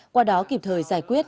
qua đó kịp thời giải quyết